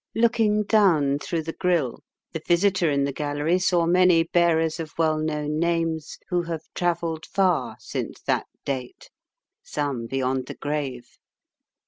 Looking down through the grille, the visitor in the gallery saw many bearers of well known names who have travelled far since that date, some beyond the grave.